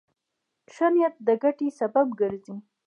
ښه نیت د ګټې سبب ګرځي.